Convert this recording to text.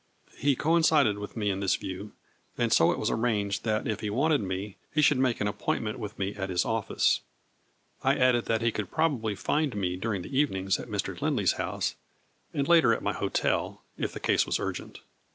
He coincided with me in this view, and so it was arranged that if he wanted me he should make an appointment with me at his office. I added that he could probably find me during the evenings at Mr. Lindley's house, and later at my hotel, if the case was urgent.